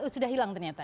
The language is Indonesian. sudah hilang ternyata